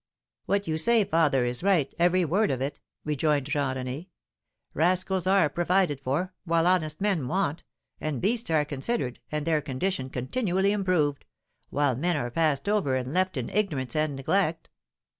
'" "What you say, father, is right, every word of it," rejoined Jean René. "Rascals are provided for, while honest men want; and beasts are considered, and their condition continually improved, while men are passed over and left in ignorance and neglect."